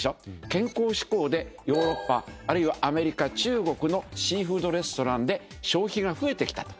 健康志向でヨーロッパあるいはアメリカ中国のシーフードレストランで消費が増えてきたと。